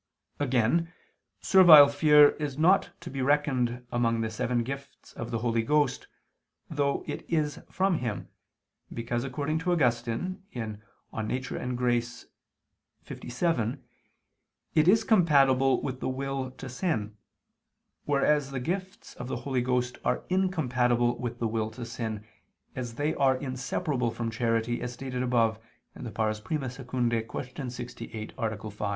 Again servile fear is not to be reckoned among the seven gifts of the Holy Ghost, though it is from Him, because according to Augustine (De Nat. et Grat. lvii) it is compatible with the will to sin: whereas the gifts of the Holy Ghost are incompatible with the will to sin, as they are inseparable from charity, as stated above (I II, Q. 68, A. 5).